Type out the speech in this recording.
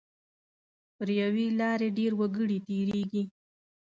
پر یوې لارې ډېر وګړي تېریږي.